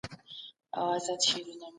وياړنه